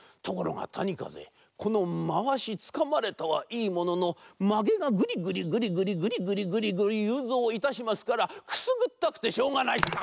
ところがたにかぜこのまわしつかまれたはいいもののまげがぐりぐりぐりぐりぐりぐりぐりぐりゆうぞういたしますからくすぐったくてしょうがない。